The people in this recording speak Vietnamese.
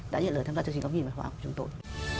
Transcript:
xin chào và hẹn gặp lại